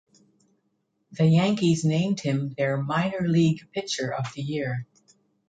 The Yankees named him their minor league pitcher of the year.